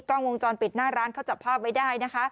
กล้องวงจนปิดหน้าร้านเขาจับผ้าไม่ได้